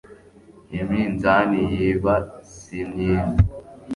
iminzani yiba si myiza